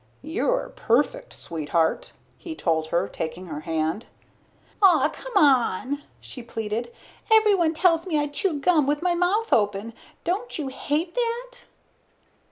"You're perfect, sweetheart," he told her, taking her hand. "Ah, come on," she pleaded. "Everyone tells me I chew gum with my mouth open. Don't you hate that?"